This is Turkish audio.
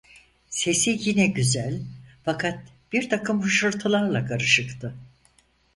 Sesi yine güzel, fakat birtakım hışırtılarla karışıktı.